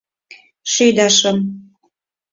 Шӱдашым.